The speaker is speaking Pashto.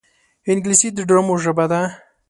انګلیسي د ډرامو ژبه ده